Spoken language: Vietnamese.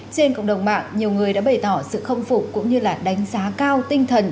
trên cộng đồng mạng nhiều người đã bày tỏ sự khâm phục cũng như là đánh giá cao tinh thần